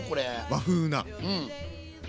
和風な。